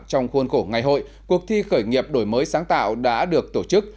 trong khuôn khổ ngày hội cuộc thi khởi nghiệp đổi mới sáng tạo đã được tổ chức